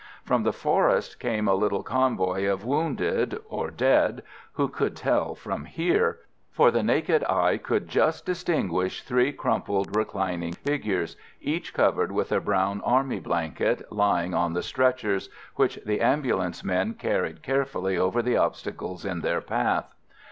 From the forest came a little convoy of wounded, or dead who could tell from here? For the naked eye could just distinguish three crumpled, reclining figures, each covered with a brown army blanket, lying on the stretchers which the ambulance men carried carefully over the obstacles in their path.